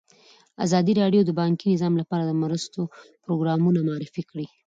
ازادي راډیو د بانکي نظام لپاره د مرستو پروګرامونه معرفي کړي.